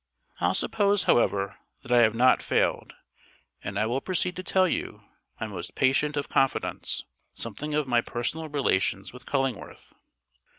I'll suppose, however, that I have not failed; and I will proceed to tell you, my most patient of confidants, something of my personal relations with Cullingworth.